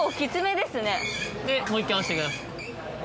でもう１回押してください。